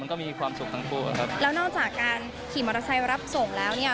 มันก็มีความสุขทั้งคู่อะครับแล้วนอกจากการขี่มอเซยรับส่งแล้วเนี้ย